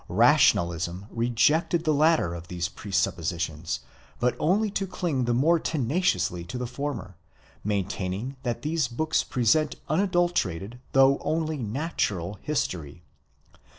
Rationalism rejected the latter of these presuppositions, but only to cling the more tenaciously to the former, maintaining that these books present unadulterated, though only natural, history.